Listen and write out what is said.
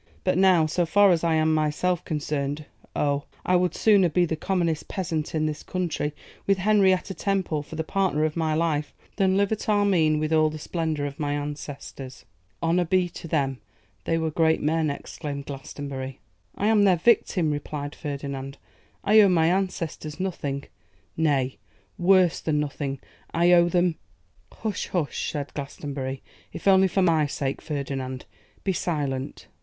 But now, so far as I am myself concerned, oh! I would sooner be the commonest peasant in this county, with Henrietta Temple for the partner of my life, than live at Armine with all the splendour of my ancestors.' 'Honour be to them; they were great men,' exclaimed Glastonbury. 'I am their victim,' replied Ferdinand. 'I owe my ancestors nothing, nay, worse than nothing; I owe them ' 'Hush! hush!' said Glastonbury. 'If only for my sake, Ferdinand, be silent.